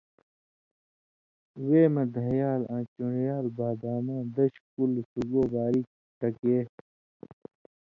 وے مہ دھیال آں چُن٘ڑیۡ رال بادامہ دش کُلہۡ سُگو باریک ٹکے